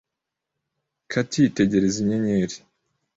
Kathy yitegereza inyenyeri.